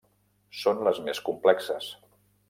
Són les més complexes.